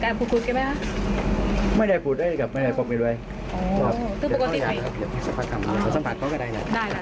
อร์ซึ่งบกฎิตไหน